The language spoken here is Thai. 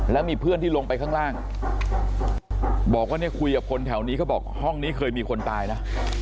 แล้วมีเพื่อนที่ลงไปข้างล่างบอกว่าเนี่ยคุยกับคนแถวนี้เขาบอกห้องนี้เคยมีคนตายนะ